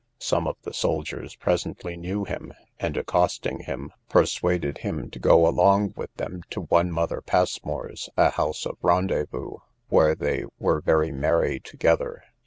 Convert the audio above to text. Some of the soldiers presently knew him, and, accosting him, persuaded him to go along them to one Mother Passmore's, a house of rendezvous, where they were very merry together.